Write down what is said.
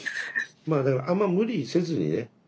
まあだからあんま無理せずにね。